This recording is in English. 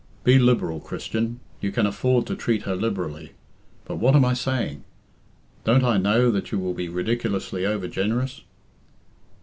Be liberal, Christian; you can afford to treat her liberally. But what am I saying? Don't I know that you will be ridiculously over generous?"